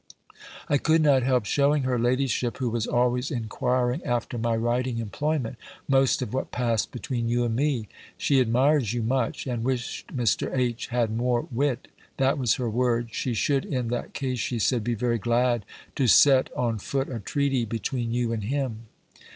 I could not help shewing her ladyship, who was always enquiring after my writing employment, most of what passed between you and me: she admires you much, and wished Mr. H. had more wit, that was her word: she should in that case, she said, be very glad to set on foot a treaty between you and him.